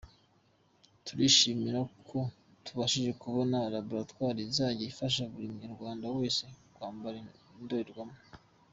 Turishimira ko tubashije kubona laboratoire izajya ifasha buri munyarwanda wese kwambara indorerwamo”.